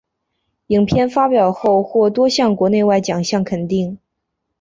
影片发表后获多项国内外奖项肯定。